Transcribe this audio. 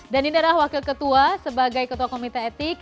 dan ini adalah wakil ketua sebagai ketua komite etik